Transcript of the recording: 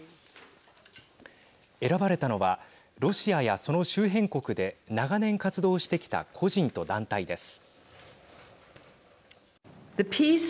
選ばれたのはロシアやその周辺国で長年活動してきた個人と団体です。